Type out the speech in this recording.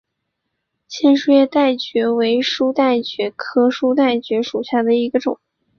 线叶书带蕨为书带蕨科书带蕨属下的一个种。